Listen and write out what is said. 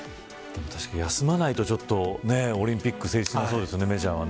確かに休まないとオリンピックは成立しなさそうですよね、メジャーは。